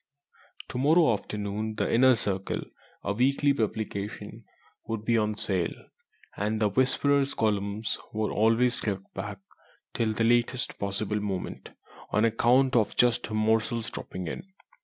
To morrow afternoon the Inner Circle (a weekly publication) would be on sale, and the "Whisperer's" columns were always kept back till the latest possible moment, on account of just such morsels dropping in.